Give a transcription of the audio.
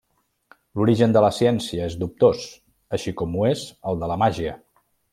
L'origen de la ciència és dubtós, així com ho és el de la màgia.